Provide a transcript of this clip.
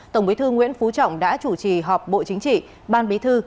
tổng bí thư nguyễn phú trọng đã chủ trì họp bộ chính trị ban bí thư